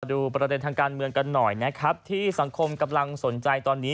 ดูประเด็นทางการเมืองกันหน่อยนะครับที่สังคมกำลังสนใจตอนนี้